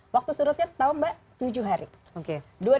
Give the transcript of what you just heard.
waktu surutnya tahu mbak tujuh hari